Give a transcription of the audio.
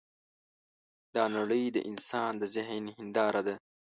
دا نړۍ د انسان د ذهن هینداره ده.